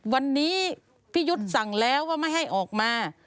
วันนี้พี่ยุทธ์สั่งแล้วว่าไม่ให้ออกมา